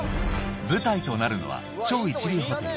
舞台となるのは超一流ホテル